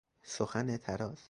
سخن طراز